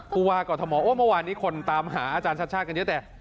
ผู้ว่ากรทมโอ้เมื่อวานนี้คนตามหาอาจารย์ชาติชาติกันเยอะแต่